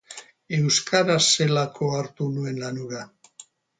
Euskaraz zelako hartu nuen lan hura.